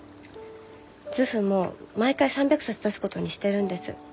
図譜も毎回３００冊出すことにしてるんです。